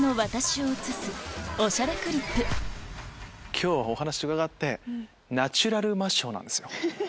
今日お話伺ってナチュラル魔性なんですよ。